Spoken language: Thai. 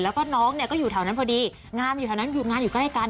แล้วก็น้องเนี่ยก็อยู่แถวนั้นพอดีงามอยู่แถวนั้นอยู่งานอยู่ใกล้กัน